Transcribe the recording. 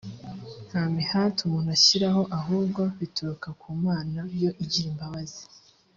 nta mihati umuntu ashyiraho ahubwo bituruka ku mana yo igira imbabazi